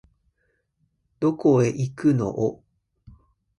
どこ行くのお